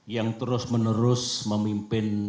yang terus menerus memimpin